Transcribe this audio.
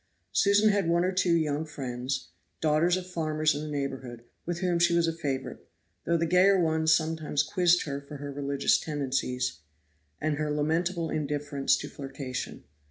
Susan had one or two young friends, daughters of farmers in the neighborhood, with whom she was a favorite, though the gayer ones sometimes quizzed her for her religious tendencies, and her lamentable indifference to flirtation.